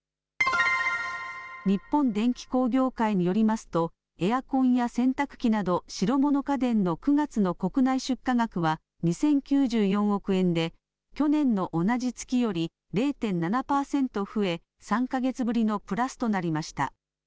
日本電機工業会によりますとエアコンや洗濯機など白物家電の９月の国内出荷額は２０９４億円で去年の同じ月より０．７％増え３か月ぶりのプラスとなりました。